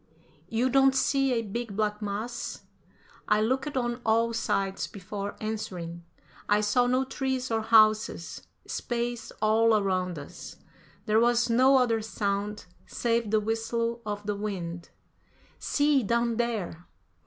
"You don't see a big black mass?" I looked on all sides before answering. I saw no trees or houses. Space all around us. There was no other sound save the whistle of the wind. "See, down there!"